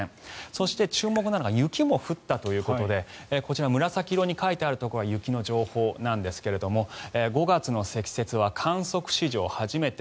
そして、注目なのが雪も降ったということでこちら紫色に書いてあるところは雪の情報なんですが５月の積雪は観測史上初めて。